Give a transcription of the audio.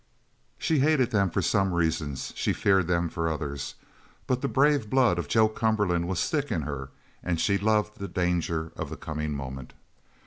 She hated them for some reasons; she feared them for others; but the brave blood of Joe Cumberland was thick in her and she loved the danger of the coming moment.